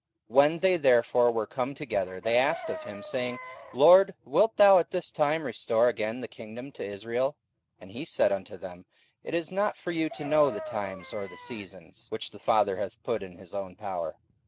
44:001:006 When they therefore were come together, they asked of him, saying, Lord, wilt thou at this time restore again the kingdom to Israel? 44:001:007 And he said unto them, It is not for you to know the times or the seasons, which the Father hath put in his own power.